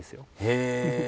へえ！